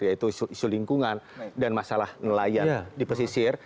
yaitu isu lingkungan dan masalah nelayan di pesisir